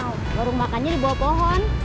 warung makannya di bawah pohon